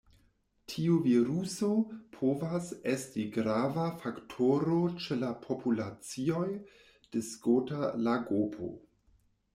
Tiu viruso povas esti grava faktoro ĉe la populacioj de Skota lagopo.